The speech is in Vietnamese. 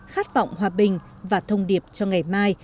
khát vọng hòa bình và thông điệp cho ngày mai